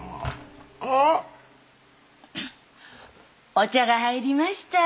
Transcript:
お茶が入りました。